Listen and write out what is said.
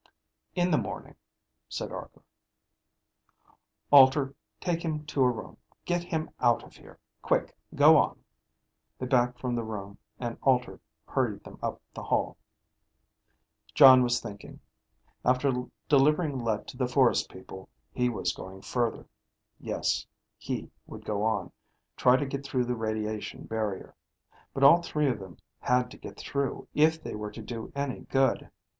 "In the morning," said Arkor. "Alter, take him to a room. Get him out of here. Quick. Go on." They backed from the room and Alter hurried them up the hall. Jon was thinking. After delivering Let to the forest people, he was going further. Yes. He would go on, try to get through the radiation barrier. But all three of them had to get through if they were to do any good.